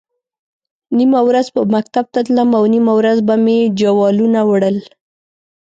نیمه ورځ به مکتب ته تلم او نیمه ورځ به مې جوالونه وړل.